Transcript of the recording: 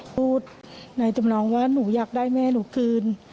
พูดในจำนองว่าหนูอยากได้แม่หนูคืน